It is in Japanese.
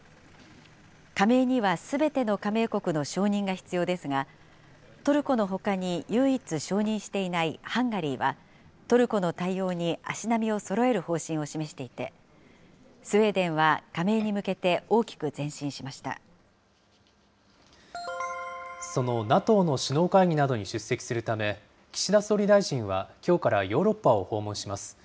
加盟にはすべての加盟国の承認が必要ですが、トルコのほかに唯一承認していないハンガリーは、トルコの対応に足並みをそろえる方針を示していて、スウェーデンは加盟に向けてそのＮＡＴＯの首脳会議などに出席するため、岸田総理大臣はきょうからヨーロッパを訪問します。